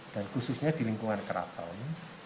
dan khususnya di lingkungan keraton